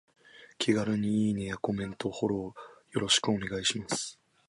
気軽にいいねやコメント、フォローよろしくお願いします。